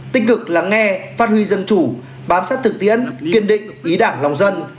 tích cực lắng nghe phát huy dân chủ bám sát thực tiễn kiên định ý đảng lòng dân